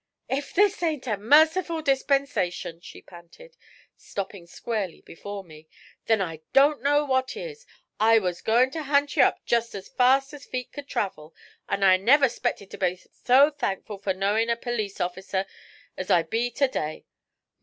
'If this ain't a mercyful dispensayshun,' she panted, stopping squarely before me, 'then I don't know what is! I was goin' to hunt ye up jest as fast as feet c'd travel, an' I never spected to be so thankful for knowin' a perlece officer ez I be ter day.